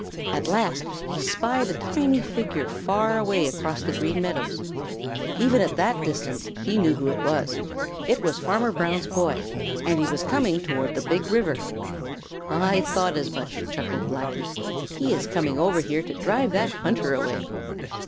At last he spied a tiny figure far away across the Green Meadows. Even at that distance he knew who it was; it was Farmer Brown's boy, and he was coming toward the Big River. "I thought as much," chuckled Blacky. "He is coming over here to drive that hunter away."